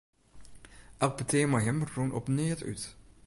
Elk petear mei him rûn op neat út.